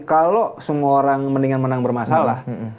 kalau semua orang mendingan menang bermasalah